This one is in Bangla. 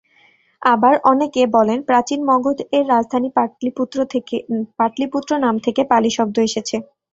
আবার অনেকে বলেন প্রাচীন মগধ এর রাজধানী পাটলিপুত্র নাম থেকে পালি শব্দ এসেছে।